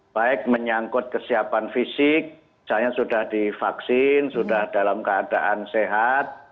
baik menyangkut kesiapan fisik misalnya sudah divaksin sudah dalam keadaan sehat